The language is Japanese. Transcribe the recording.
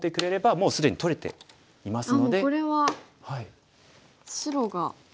もうこれは白が。